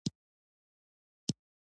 تاریخ د خپل وخت د خلکو د چلند انځور دی.